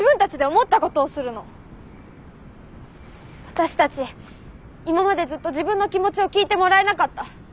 私たち今までずっと自分の気持ちを聞いてもらえなかった。